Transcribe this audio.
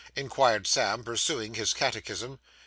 inquired Sam, pursuing his catechism.